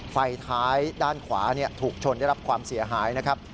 ไฟท้ายด้านขวาถูกชนได้รับความเสียหายนะครับ